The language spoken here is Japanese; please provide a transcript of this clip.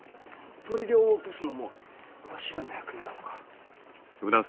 砦を落とすのもわしらの役目なのか？